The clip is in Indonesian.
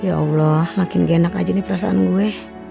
ya allah makin genap aja nih perasaan gue